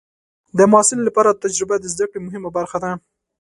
د محصل لپاره تجربه د زده کړې مهمه برخه ده.